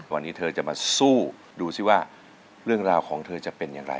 วันนี้เธอจะมาสู้ดูสิว่าเรื่องราวของเธอจะเป็นอย่างไร